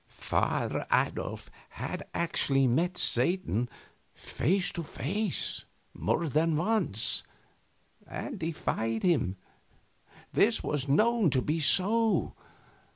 Father Adolf had actually met Satan face to face more than once, and defied him. This was known to be so.